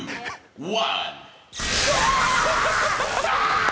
うわ！